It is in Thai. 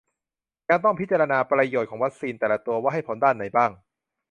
ยังต้องพิจารณาประโยชน์ของวัคซีนแต่ละตัวว่าให้ผลด้านไหนบ้าง